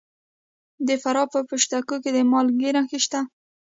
د فراه په پشت کوه کې د مالګې نښې شته.